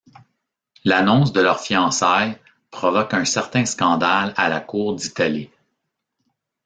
L'annonce de leurs fiançailles provoque un certain scandale à la cour d'Italie.